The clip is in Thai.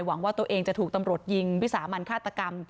หวังว่าตัวเองจะถูกตำรวจยิงวิสามันฆาตกรรม